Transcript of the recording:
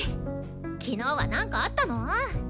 昨日はなんかあったの？